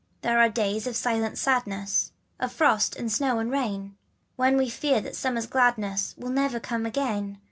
There are days of silent sadness, Of frost, and snow, and rain, When we fear that summer's gladness Will never come again.